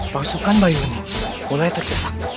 pasukan bayoni mulai tercesak